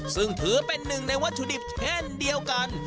ซึ่งถือเป็นหนึ่งในวัตถุดิบเช่นเดียวกัน